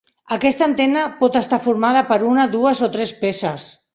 Aquesta antena pot estar formada per una, dues o tres peces.